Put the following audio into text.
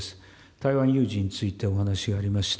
台湾有事についてお話ありました。